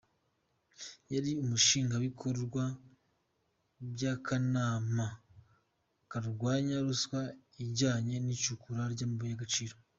Yari umushingwabikorwa by'akanama karwanya ruswa ijyanye n'icukura ry'amabuye y'agaciro.